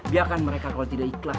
biarkan mereka kalau tidak ikhlas